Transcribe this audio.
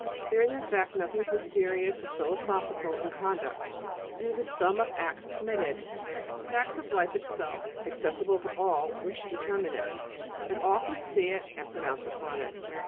There is, in fact, nothing mysterious or philosophical in conduct; it is the sum of acts committed, the facts of life itself, accessible to all, which determine it. And all can see it and pronounce upon it.